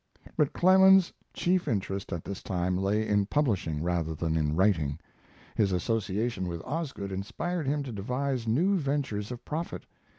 But Clemens's chief interest at this time lay in publishing, rather than in writing. His association with Osgood inspired him to devise new ventures of profit.